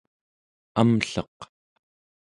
amlleq